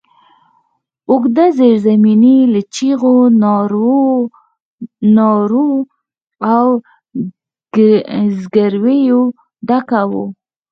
اوږده زېرزميني له چيغو، نارو او زګرويو ډکه وه.